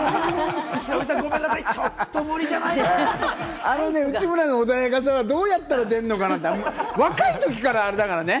ヒロミさん、ごめんなさい、内村の穏やかさは、どうやったら出るのかなって、若いときからあれだからね！